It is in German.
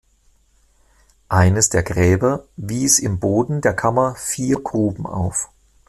Eines der Gräber wies im Boden der Kammer vier Gruben auf.